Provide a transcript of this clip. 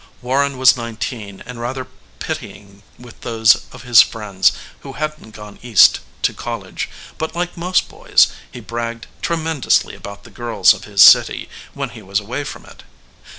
Warren was nineteen and rather pitying with those of his friends who hadn't gone East to college. But, like most boys, he bragged tremendously about the girls of his city when he was away from it.